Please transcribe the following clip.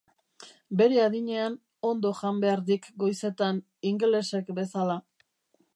Bere adinean, ondo jan behar dik goizetan, ingelesek bezala.